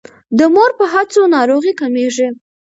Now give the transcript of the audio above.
د مور په هڅو ناروغۍ کمیږي.